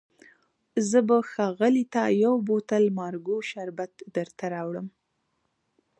زه به ښاغلي ته یو بوتل مارګو شربت درته راوړم.